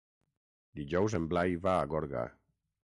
Dijous en Blai va a Gorga.